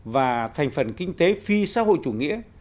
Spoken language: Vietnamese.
và thành phần kinh tế phi xã hội chủ nghĩa